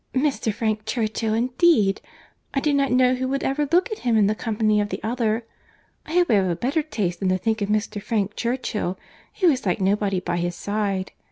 Mr. Frank Churchill, indeed! I do not know who would ever look at him in the company of the other. I hope I have a better taste than to think of Mr. Frank Churchill, who is like nobody by his side.